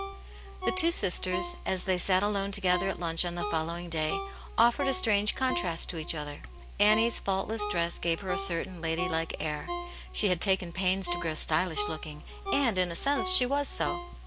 THE two sisters, as they sat alone together at lunch on the following day, offered a strange contrast to each other. Annie's faultless dress gave her a certain lady like air ; she had taken pains to grow stylish looking, and, in a sense, she was so.